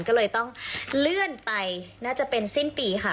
ก็เลยต้องเลื่อนไปน่าจะเป็นสิ้นปีค่ะ